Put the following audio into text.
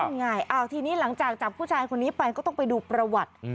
ไงทีนี้หลังจากจับผู้ชายคนนี้ไปก็ต้องไปดูประวัติ